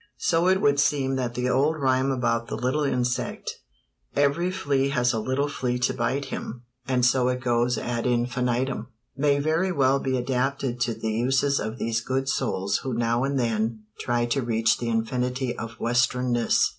_" So it would seem that the old rime about the little insect Every flea has a little flea to bite him, And so it goes ad infinitem may very well be adapted to the uses of those good souls who now and then try to reach the infinity of westernness.